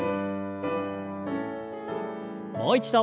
もう一度。